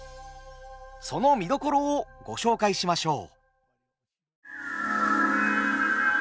その見どころをご紹介しましょう。